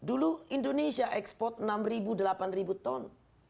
dulu indonesia ekspor enam delapan ton